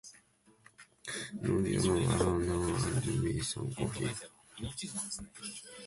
No, dear, run along, and bring me some coffee.